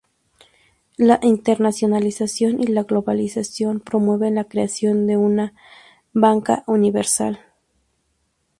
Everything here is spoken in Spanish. La internacionalización y la globalización promueven la creación de una Banca universal.